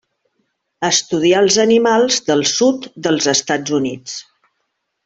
Estudià els animals del sud dels Estats Units.